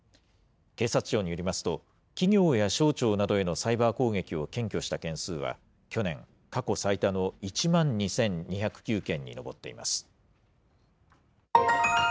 警察庁によりますと、企業や省庁などへのサイバー攻撃を検挙した件数は去年、過去最多の１万２２０９件に上っています。